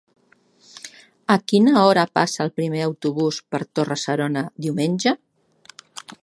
A quina hora passa el primer autobús per Torre-serona diumenge?